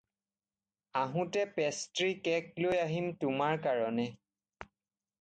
আহোঁতে pastry cake লৈ আহিম তোমাৰ কাৰণে।